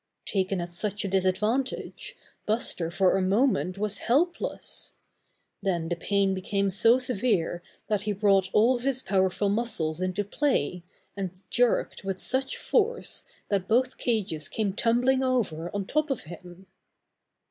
Taken at such a disadvantage, Buster for a moment was helpless. Then the pain became so severe that he brought all of his powerful muscles into play, and jerked with such force that both cages came tumbling over on top of him.